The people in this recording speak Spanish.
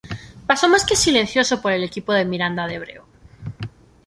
Paso más que silencioso por el equipo de Miranda de Ebro.